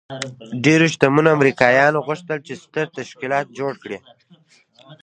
ډېرو شتمنو امريکايانو غوښتل چې ستر تشکيلات جوړ کړي.